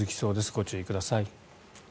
ご注意ください。